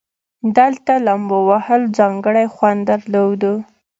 دلته لومبو وهل ځانګړى خوند درلودو.